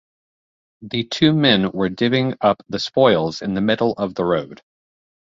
The two men were divvying up the spoils in the middle of the road.